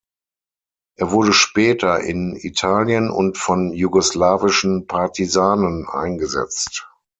Er wurde später in Italien und von jugoslawischen Partisanen eingesetzt.